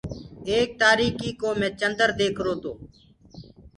ايڪ تآريڪي ڪوُ مي چندر ديکرو تو۔